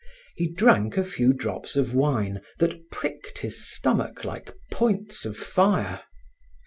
He drank a few drops of wine that pricked his stomach like points of fire.